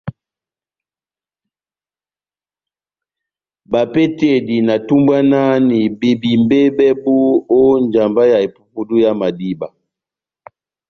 Bapehetedi na tumbwanahani bebímbɛ bɛbu ó njamba ya epupudu yá madíba.